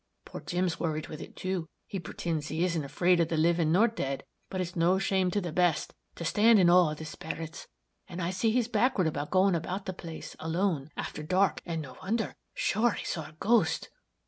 Poor Jim's worried with it, too; he pretinds he isn't afraid of the livin' nor dead, but it's no shame to the best to stand in awe of the sperits, and I see he's backward about going about the place, alone, after dark, and no wonder! Sure, he saw a ghost!"